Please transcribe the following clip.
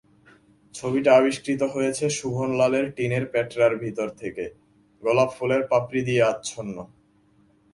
ছবিটা আবিষ্কৃত হয়েছে শোভনলালের টিনের প্যাঁটরার ভিতর থেকে, গোলাপফুলের পাপড়ি দিয়ে আচ্ছন্ন।